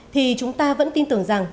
thì chúng ta vẫn tin tưởng rằng